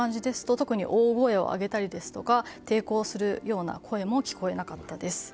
特に大声を上げたりですとか抵抗するような声も聞こえなかったです。